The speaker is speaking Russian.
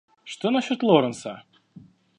Что насчет Лоуренса?